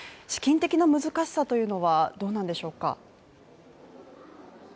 資金的な難しさというのはどうなんでしょうか？